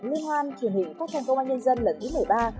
liên hoan truyền hình phát thanh công an nhân dân lần thứ một mươi ba